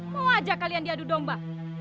mau ajak kalian diadu domba